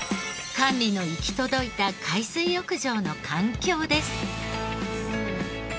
管理の行き届いた海水浴場の環境です。